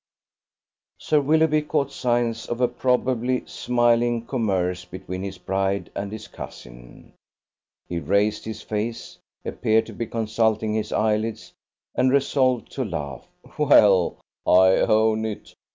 ." Sir Willoughby caught signs of a probably smiling commerce between his bride and his cousin. He raised his face, appeared to be consulting his eyelids, and resolved to laugh: "Well, I own it.